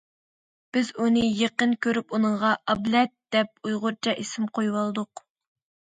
بىز ئۇنى يېقىن كۆرۈپ ئۇنىڭغا‹‹ ئابلەت›› دەپ ئۇيغۇرچە ئىسىم قويۇۋالدۇق.